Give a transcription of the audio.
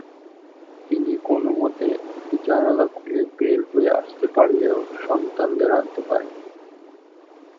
তিনি কোনোমতে একটি জানালা খুলে বের হয়ে আসতে পারলেও সন্তানদের আনতে পারেননি।